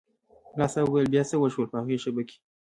ملا صاحب وویل بیا څه وشول په هغې شېبه کې.